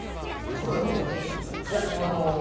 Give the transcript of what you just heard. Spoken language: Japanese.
これはどう思います？